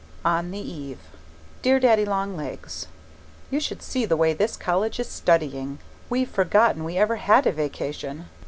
On the Eve Dear Daddy Long Legs, You should see the way this college is studying! We've forgotten we ever had a vacation.